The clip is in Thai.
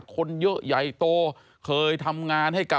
ก็ไม่รู้ว่าฟ้าจะระแวงพอพานหรือเปล่า